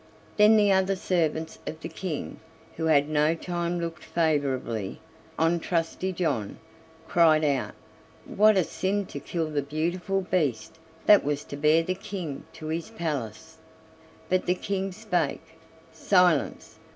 Then the other servants of the King, who at no time looked favorably on Trusty John, cried out: "What a sin to kill the beautiful beast that was to bear the King to his palace!" But the King spake: "Silence!